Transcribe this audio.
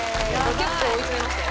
結構追い詰めましたよ